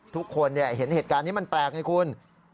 ทุกคนเห็นเหตุการณ์นี้มันแปลกไงคุณ